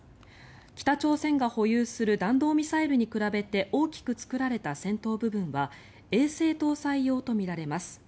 北朝鮮が保有する弾道ミサイルに比べて大きく作られた先頭部分は衛星搭載用とみられます。